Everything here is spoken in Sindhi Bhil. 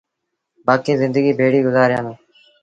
بآڪيٚݩ زندگيٚ ڀيڙيٚ گُزآريآݩدوݩ